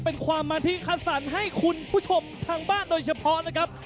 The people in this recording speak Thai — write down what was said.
เป็นความมาธิคัดสรรให้คุณผู้ชมทางบ้านโดยเฉพาะนะครับ